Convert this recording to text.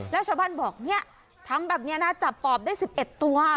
แล้วชาวบ้านบอกเนี่ยทำแบบนี้นะจับปอบได้๑๑ตัว